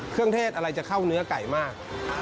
เทศอะไรจะเข้าเนื้อไก่มาก